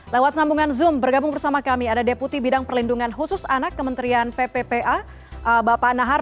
lewat sambungan zoom bergabung bersama kami ada deputi bidang perlindungan khusus anak kementerian pppa bapak nahar